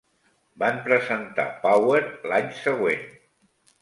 Van presentar "Power" l'any següent.